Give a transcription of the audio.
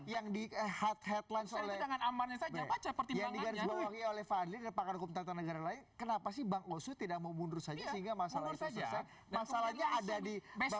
yang dihadapkan oleh panggilan negara kenapa sih bang tidak mau mundur saja masalahnya ada di